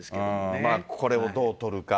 これをどう取るか。